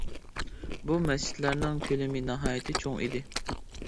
بۇ مەسچىتلەرنىڭ كۆلىمى ناھايىتى چوڭ ئىدى.